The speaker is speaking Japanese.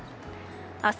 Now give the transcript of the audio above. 明日